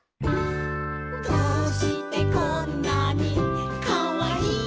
「どうしてこんなにかわいいの」